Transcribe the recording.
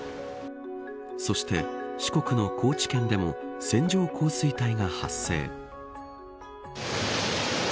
そして、四国の高知県でも線状降水帯が発生。